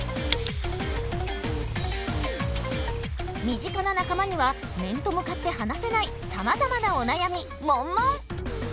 身近な仲間には面と向かって話せないさまざまなお悩みモンモン！